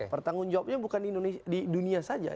pertanggungjawabnya bukan di dunia saja